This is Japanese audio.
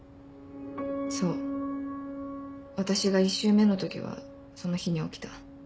そう私が１周目の時はその日に起きた。